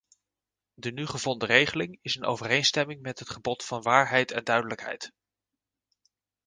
De nu gevonden regeling is in overeenstemming met het gebod van waarheid en duidelijkheid.